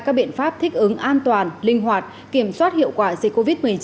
các biện pháp thích ứng an toàn linh hoạt kiểm soát hiệu quả dịch covid một mươi chín